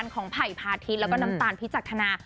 ของไส้ภายพาทิตย์และก็น้ำตาลพิจักษ์ธนา